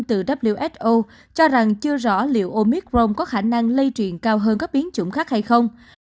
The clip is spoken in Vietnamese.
từ who cho rằng chưa rõ liệu omicron có khả năng lây truyền cao hơn các biến chủng khác hay không